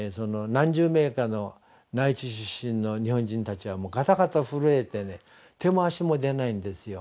何十名かの内地出身の日本人たちはガタガタ震えて手も足も出ないんですよ。